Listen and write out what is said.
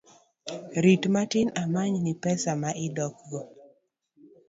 Rit matin amany ni pesa ma idok go